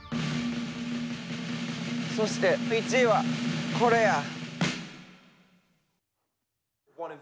そして１位はこれや！